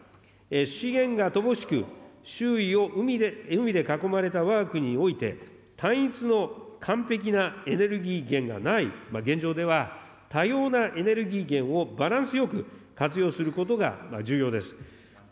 資源が乏しく、周囲を海で囲まれたわが国において、単一の完璧なエネルギー源がない現状では、多様なエネルギー源をバランスよく活用することが重要です。